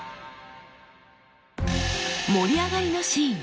盛り上がりのシーン。